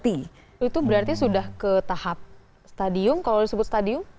itu berarti sudah ke tahap stadium kalau disebut stadium